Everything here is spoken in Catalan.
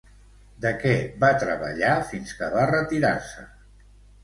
De què va treballar fins que va retirar-se?